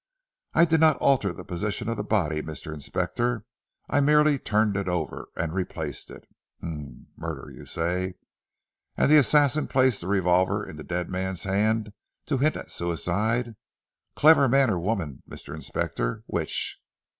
"I did not alter the position of the body Mr. Inspector. I merely turned it over, and replaced it. H'm! murder you say. And the assassin placed the revolver in the dead hand to hint at suicide. Clever man or woman Mr. Inspector. Which?"